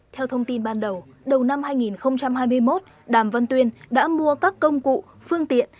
theo thông tin ban đầu đầu năm hai nghìn hai mươi một đàm văn tuyên đã mua các công cụ phương tiện